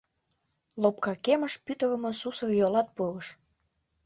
Лопка кемыш пӱтырымӧ сусыр йолат пурыш.